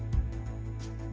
tidak mau baca nuras pack lagi